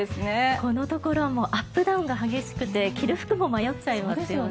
このところアップダウンが激しくて着る服も迷っちゃいますよね。